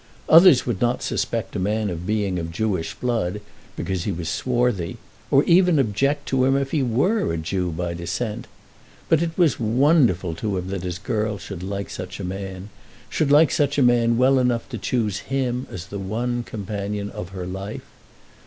Others would not suspect a man of being of Jewish blood because he was swarthy, or even object to him if he were a Jew by descent. But it was wonderful to him that his girl should like such a man, should like such a man well enough to choose him as the one companion of her life.